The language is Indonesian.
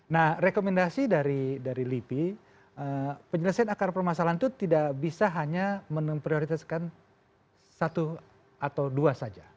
nah rekomendasi dari lipi penyelesaian akar permasalahan itu tidak bisa hanya memprioritaskan satu atau dua saja